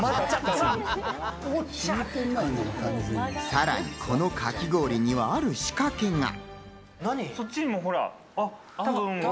さらに、このかき氷にはある仕掛けが。